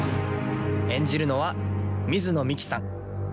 演じるのは水野美紀さん。